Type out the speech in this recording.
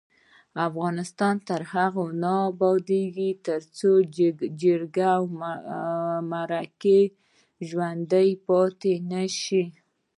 افغانستان تر هغو نه ابادیږي، ترڅو جرګې او مرکې ژوڼدۍ پاتې نشي.